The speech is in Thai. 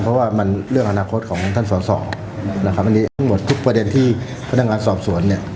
เพราะว่ามันเรื่องอนาคตของท่านสอสอนะครับอันนี้ทั้งหมดทุกประเด็นที่พนักงานสอบสวนเนี่ย